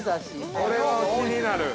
◆これは気になる。